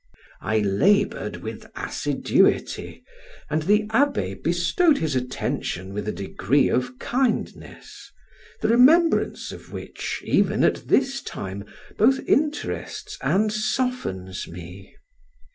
I labored with assiduity, and the abbe bestowed his attention with a degree of kindness, the remembrance of which, even at this time, both interests and softens me.